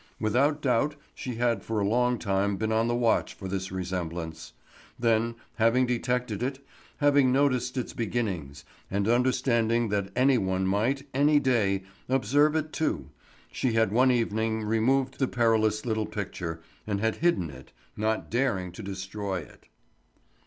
Without doubt she had for a long time been on the watch for this resemblance; then, having detected it, having noticed its beginnings, and understanding that any one might, any day, observe it too, she had one evening removed the perilous little picture and had hidden it, not daring to destroy it.